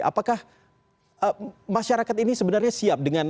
apakah masyarakat ini sebenarnya siap dengan